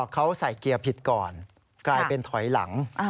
เขาใส่เกียร์ผิดก่อนกลายเป็นถอยหลัง